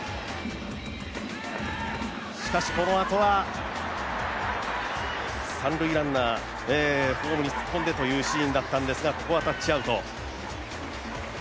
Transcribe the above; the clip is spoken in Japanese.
しかしこのあとは三塁ランナーホームに突っ込んでというシーンでしたが、タッチアウト。